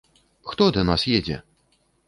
Хто да нас едзе?